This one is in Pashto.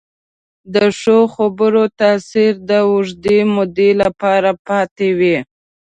د ښو خبرو تاثیر د اوږدې مودې لپاره پاتې وي.